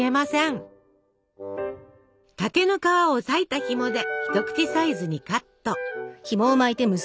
竹の皮をさいたひもで一口サイズにカット。